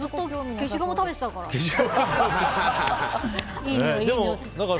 消しゴム食べてたから。